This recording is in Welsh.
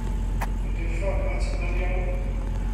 Ydy'r fformat yma'n iawn?